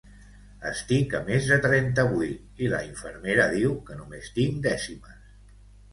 Estic a més de trenta-vuit i la infermera diu que només tinc dècimes